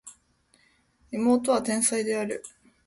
妹は天才である